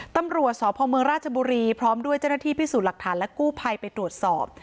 ตำรวจสพเมืองราชบุรีพร้อมด้วยเจ้าหน้าที่พิสูจน์หลักฐานและกู้ภัยไปตรวจสอบ